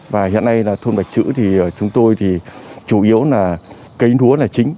và hiện nay thôn bạch chữ chúng tôi chủ yếu là cây núa là chính